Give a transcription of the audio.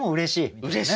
うれしい。